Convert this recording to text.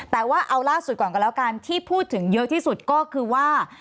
แต่ว่าเอาล่าสุดก่อนกันแล้วกันที่พูดถึงเยอะที่สุดก็คือว่า